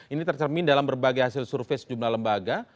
ini tercermin dalam berbagai hasil survei sejumlah lembaga